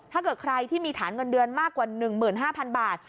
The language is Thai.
ถ้าเกิดใครที่มีฐานเงินเดือนมากกว่า๑๕๐๐๐บาท